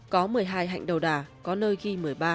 có một mươi hai hạnh đầu đà có nơi ghi một mươi ba